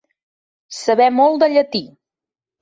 Saber molt de llatí.